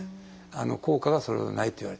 効果がそれほどないといわれてます。